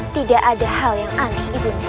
tidak ada hal yang aneh ibu